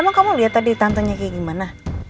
emang kamu lihat tadi tantenya kayak gimana